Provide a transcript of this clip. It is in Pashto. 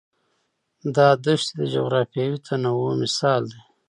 دا دښتې د جغرافیوي تنوع مثال دی.